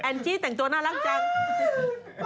จี้แต่งตัวน่ารักจัง